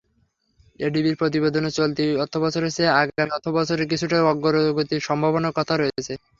এডিবির প্রতিবেদনে চলতি অর্থবছরের চেয়ে আগামী অর্থবছরে কিছুটা অগ্রগতির সম্ভাবনার কথা রয়েছে।